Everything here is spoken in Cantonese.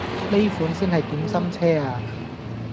呢款先係點心車呀